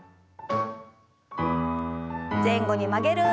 前後に曲げる運動です。